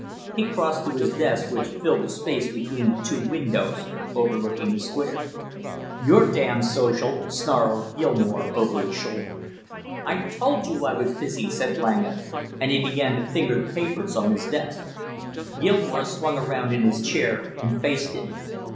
He crossed to his desk which filled the space between the two windows overlooking the Square. "You're damn social!" snarled Gilmore over his shoulder. "I told you I was busy," said Langham, and he began to finger the papers on his desk. Gilmore swung around in his chair and faced him.